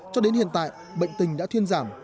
cho đến hiện tại bệnh tình đã thiên giảm